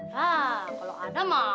hah kalau ada mah